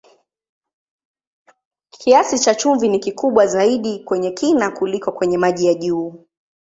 Kiasi cha chumvi ni kikubwa zaidi kwenye kina kuliko kwenye maji ya juu.